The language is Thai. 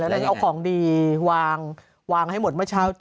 แล้วเขาก็เอาของดีวางให้หมด